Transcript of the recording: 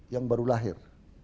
yang baru lahir